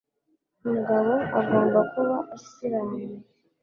Umugabo agomba kuba asiramuye